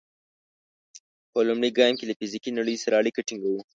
په لومړي ګام کې له فزیکي نړۍ سره اړیکه ټینګوو.